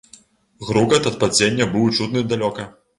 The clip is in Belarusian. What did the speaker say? Грукат ад падзення быў чутны далёка.